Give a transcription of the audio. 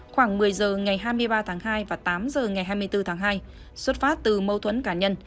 khoảng một mươi giờ ngày hai mươi ba tháng hai và tám h ngày hai mươi bốn tháng hai xuất phát từ mâu thuẫn cá nhân